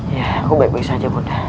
ya aku baik baik saja buddha